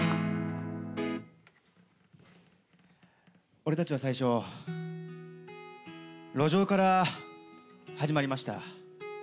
俺たちは最初路上から始まりました。